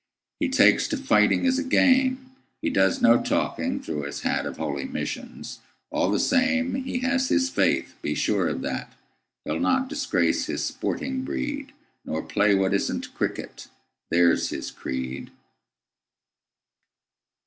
He takes to fighting as a game; He does no talking, through his hat, Of holy missions; all the sameHe has his faith—be sure of that; He'll not disgrace his sporting breed, Nor play what is n't cricket. There's his creed.